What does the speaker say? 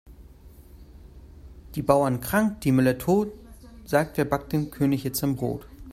Die Bauern krank, die Müller tot, sagt wer backt dem König jetzt sein Brot?